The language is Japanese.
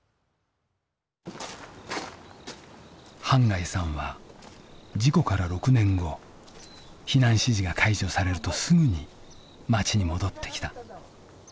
半谷さんは事故から６年後避難指示が解除されるとすぐに町に戻ってきた。